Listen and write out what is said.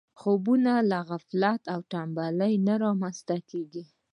خوبونه له غفلت او تنبلي نه رامنځته کېږي.